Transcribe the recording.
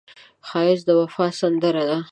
ښایست د وفا سندره ده